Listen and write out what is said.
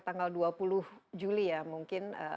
tanggal dua puluh juli ya mungkin